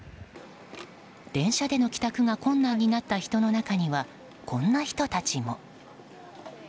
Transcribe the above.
電車での帰宅が困難になった人の中にはこんな人たちも。